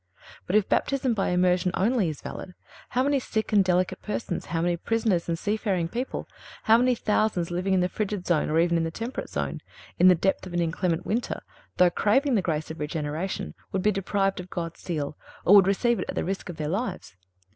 But if Baptism by immersion only is valid, how many sick and delicate persons, how many prisoners and seafaring people, how many thousands living in the frigid zone, or even in the temperate zone, in the depth of an inclement winter, though craving the grace of regeneration, would be deprived of God's seal, or would receive it at the risk of their lives!